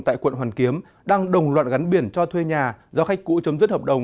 tại quận hoàn kiếm đang đồng loạn gắn biển cho thuê nhà do khách cũ chấm dứt hợp đồng